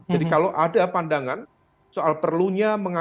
jadi kalau ada pandangan soal perlunya mengaku